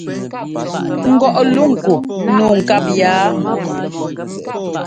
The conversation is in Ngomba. Ŋgɔʼ luŋ ku nǔu ŋkáp yaa?